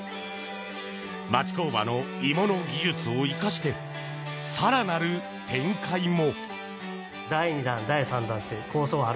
町工場の鋳物技術を生かして更なる展開も。